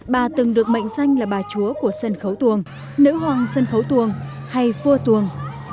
bà từng được mệnh danh là bà chúa của sân khấu tuồng nữ hoàng sân khấu tuồng hay vua tuồng